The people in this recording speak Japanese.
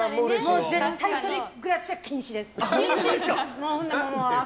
絶対１人暮らしは禁止です。